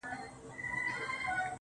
• كه ملاقات مو په همدې ورځ وسو.